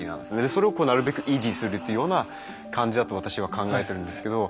それをなるべく維持するというような感じだと私は考えてるんですけど。